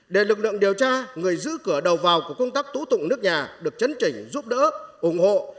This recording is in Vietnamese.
để lực lượng điều tra người giữ cửa đầu vào của công tác tố tụng nước nhà được chấn chỉnh giúp đỡ ủng hộ